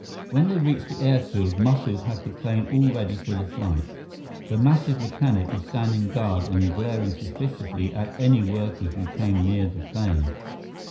When they reached the airfield, Muscles had the plane all ready for the flight. The massive mechanic was standing guard and glaring suspiciously at any workers who came near the plane.